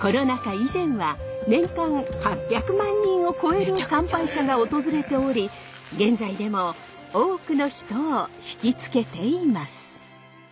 以前は年間８００万人を超える参拝者が訪れており現在でも多くの人をひきつけています。